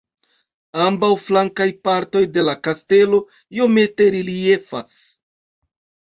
Ambaŭ flankaj partoj de la kastelo iomete reliefas.